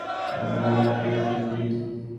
তিনি আবু ইসহাক শামীর শিষ্য ও আবু মুহাম্মদ চিশতীর পীর।